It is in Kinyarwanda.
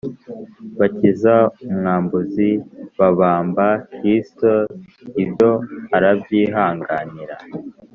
Bakiza umwambuzi babamba kirisito ibyo arabyihanganira